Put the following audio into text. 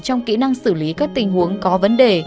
trong kỹ năng xử lý các tình huống có vấn đề